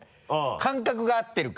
感覚が合ってるか。